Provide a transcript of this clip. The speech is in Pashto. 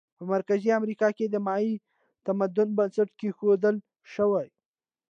په مرکزي امریکا کې د مایا تمدن بنسټ کېښودل شو.